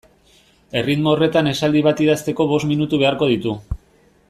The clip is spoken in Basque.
Erritmo horretan esaldi bat idazteko bost minutu beharko ditu.